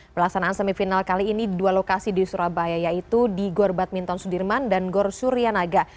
pelaksanaan semifinal kali ini dua lokasi di surabaya yaitu di gor badminton sudirman dan gor suryanaga